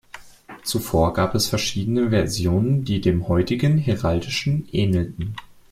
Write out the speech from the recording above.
Zuvor gab es verschiedene Versionen, die dem heutigen heraldisch ähnelten.